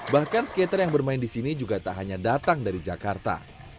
bahkan skater yang bermain di sini juga tak hanya datang dari jakarta